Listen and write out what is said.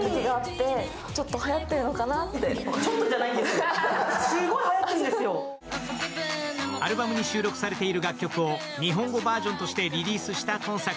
ブンブンブンブーンアルバムに収録されている楽曲を日本語バージョンとしてリリースした今作。